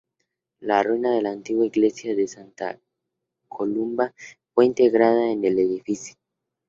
La ruina de la antigua Iglesia de Santa Columba fue integrada en el edificio.